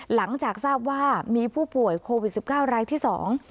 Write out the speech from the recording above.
หลังจากทราบว่ามีผู้ป่วยโควิดสิบเก้ารายที่สอง